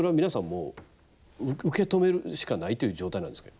もう受け止めるしかないという状態なんですか？